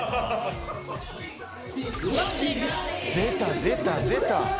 出た出た出た。